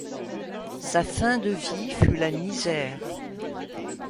Sa fin de vie fut la misère.